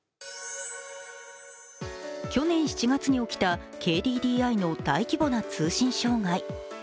去年７月に起きたＫＤＤＩの大規模な通信障害。